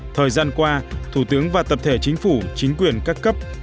thời gian qua thủ tướng và tập thể chính phủ chính quyền các cấp